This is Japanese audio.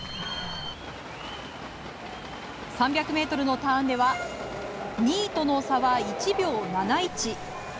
３００ｍのターンでは２位との差は１秒７１。